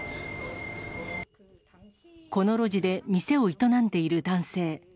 この路地で店を営んでいる男性。